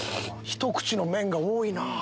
ひと口の麺が多いなぁ。